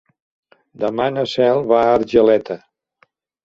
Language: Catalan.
Demà na Cel va a Argeleta.